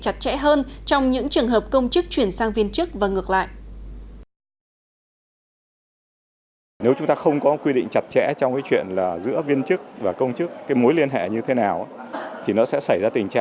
chặt chẽ hơn trong những trường hợp công chức chuyển sang viên chức và ngược lại